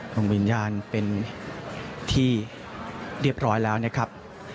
ดวงวิญญาณเป็นที่เรียบร้อยแล้วนะครับ